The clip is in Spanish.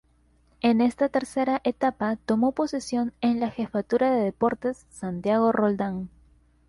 En esta tercera etapa tomó posesión en la jefatura de deportes Santiago Roldán.